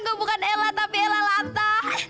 aku bukan ella tapi ella lanta